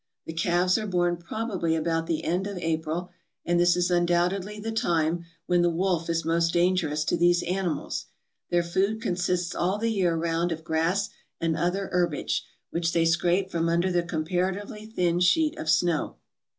The calves are born probably about the end of April, and this is undoubtedly the time when the wolf is most dangerous to these animals. Their food consists all the year round of grass and other herbage, which they scrape from under the comparatively thin sheet of snow.